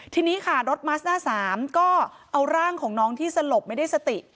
ทีนี้ค่ะรถมัสหน้า๓ก็เอาร่างของน้องที่สลบไม่ได้สติ